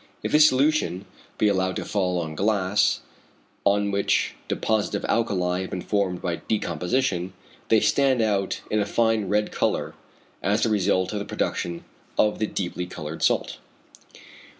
If this solution be allowed to fall on glass, on which deposits of alkali have been formed by decomposition, they stand out in a fine red colour as the result of the production of the deeply coloured salt.